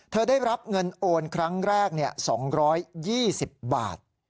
ได้รับเงินโอนครั้งแรก๒๒๐บาท